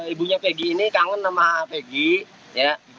ibunya peggy ini kangen sama peggy